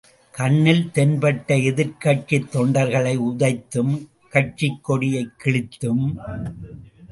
கண்ணில் தென்பட்ட எதிர்க்கட்சித் தொண்டர்களை உதைத்தும், கட்சிக்கொடிகளைக் கிழித்தும்.